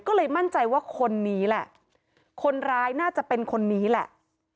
ก็เลยมั่นใจว่าคนนี้แหละคนร้ายน่าจะเป็นคนนี้แหละ